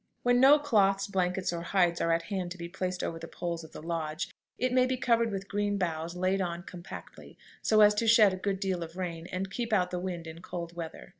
] When no cloths, blankets, or hides are at hand to be placed over the poles of the lodge, it may be covered with green boughs laid on compactly, so as to shed a good deal of rain, and keep out the wind in cold weather.